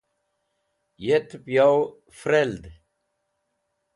yet'ep yow freld